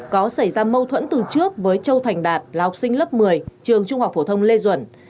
có xảy ra mâu thuẫn từ trước với châu thành đạt là học sinh lớp một mươi trường trung học phổ thông lê duẩn